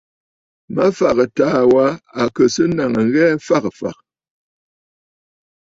Mafàgə̀ taà wa à kɨ̀ sɨ́ nàŋə̀ ŋghɛɛ fagə̀ fàgə̀.